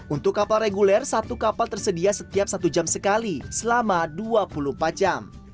untuk kapal reguler satu kapal tersedia setiap satu jam sekali selama dua puluh empat jam